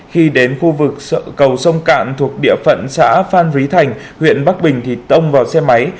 khi đến khu vực cầu sông cạn thuộc địa phận xã phan rí thành huyện bắc bình thì tông vào xe máy